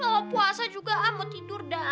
kalau puasa juga ah mau tidur dah